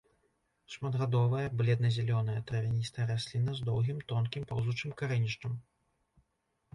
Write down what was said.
Шматгадовая бледна-зялёная травяністая расліна з доўгім тонкім паўзучым карэнішчам.